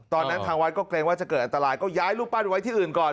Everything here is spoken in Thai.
ทางวัดก็เกรงว่าจะเกิดอันตรายก็ย้ายรูปปั้นไว้ที่อื่นก่อน